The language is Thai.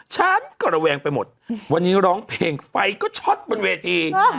ฉันกระแวงไปหมดวันนี้ร้องเพลงไฟก็ช็อตบนเวที